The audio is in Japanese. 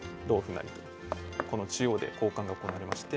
成とこの中央で交換が行われまして。